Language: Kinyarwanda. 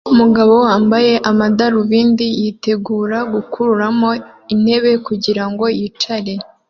Umugabo wambaye amadarubindi yitegura gukuramo intebe kugirango yicare